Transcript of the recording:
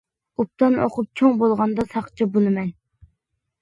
ئوبدان ئوقۇپ، چوڭ بولغاندا ساقچى بولىمەن.